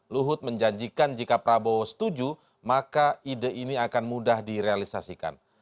luhut menjanjikan jika prabowo setuju maka ide ini akan mudah direalisasikan